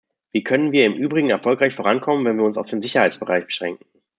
Wie können wir im Übrigen erfolgreich vorankommen, wenn wir uns auf den Sicherheitsbereich beschränken?